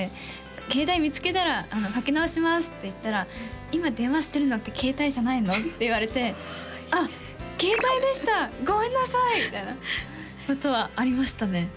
「携帯見つけたらかけ直します」って言ったら「今電話してるのって携帯じゃないの？」って言われて「あっ携帯でしたごめんなさい」みたいなことはありましたね